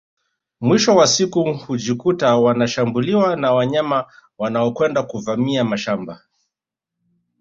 Mwisho wa siku hujikuta wanashambuliwa na wanyama wanaokwenda kuvamia mashamba